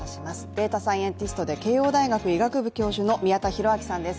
データサイエンティストで慶応大学医学部教授の宮田裕章さんです。